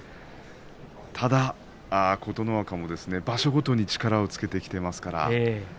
ただ琴ノ若も場所ごとに力をつけています。